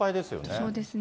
そうですね。